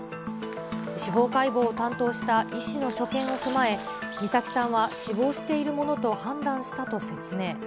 司法解剖を担当した医師の所見を踏まえ、美咲さんは死亡しているものと判断したと説明。